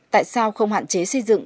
tại sao không hạn chế xây dựng